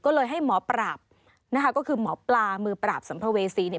ก็เลยให้หมอปราบนะคะก็คือหมอปลามือปราบสัมภเวษีเนี่ย